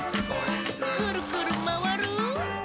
「くるくるまわる！」